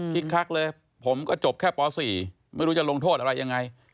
คักเลยผมก็จบแค่ป๔ไม่รู้จะลงโทษอะไรยังไง